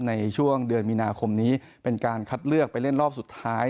ในช่วงเดือนมีนาคมนี้เป็นการคัดเลือกไปเล่นรอบสุดท้าย